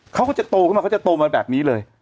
เขาก็จะโตขึ้นมาเขาจะโตมาแบบนี้เลย